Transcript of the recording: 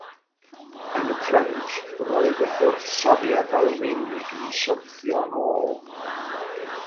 Yn y ffrynt, roedd y gwrthsafiad Almaenig yn syrthio'n ôl.